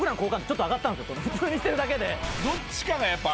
普通にしてるだけで。